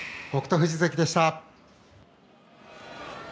富士関でした。